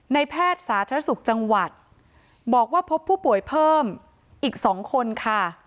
แพทย์สาธารณสุขจังหวัดบอกว่าพบผู้ป่วยเพิ่มอีก๒คนค่ะ